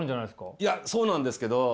いやそうなんですけど。